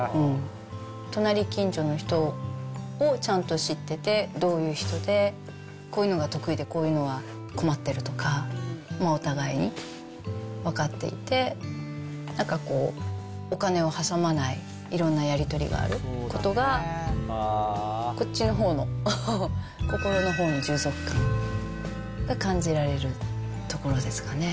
隣近所の人をちゃんと知ってて、どういう人で、こういうのが得意で、こういうのが困ってるとか、お互いに分かっていて、なんかこう、お金を挟まないいろんなやり取りがあることが、こっちのほうの、心のほうの充足感が感じられるところですかね。